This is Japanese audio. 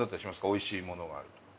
おいしいものがあるとか。